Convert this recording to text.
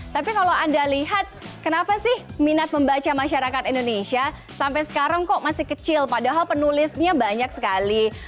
tapi kalau anda lihat kenapa sih minat membaca masyarakat indonesia sampai sekarang kok masih kecil padahal penulisnya banyak sekali